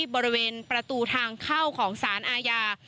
บริเวณประตูทางเข้าของสารอาญา